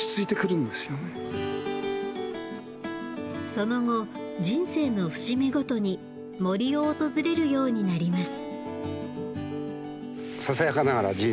その後人生の節目ごとに森を訪れるようになります。